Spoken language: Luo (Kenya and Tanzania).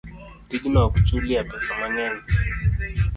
tijno ok chulye pesa mang'eny.